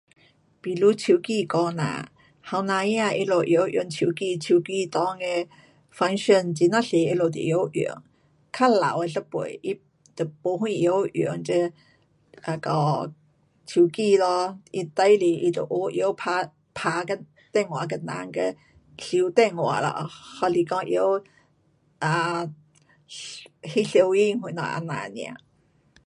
比如手机讲呐，年轻儿他们会晓用手机，手机内的 function 很呀多他们都会晓用。较老的一辈他就没什会晓用这,那个手机咯，他最多他都会晓打，打电话给人。跟收电话咯，还是讲会，啊，晓影照片咯什么这样 nia